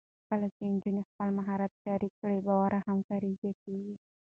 کله چې نجونې خپل مهارت شریک کړي، باور او همکاري زیاتېږي.